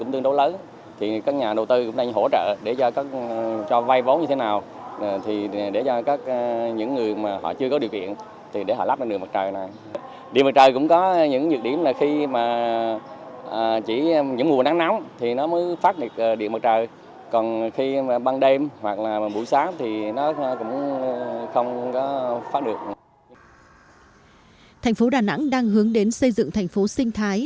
thành phố đà nẵng đang hướng đến xây dựng thành phố sinh thái